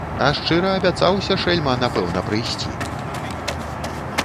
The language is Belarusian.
А шчыра абяцаўся, шэльма, напэўна прыйсці.